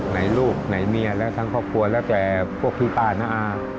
ลูกไหนเมียและทั้งครอบครัวแล้วแต่พวกพี่ป้าน้าอา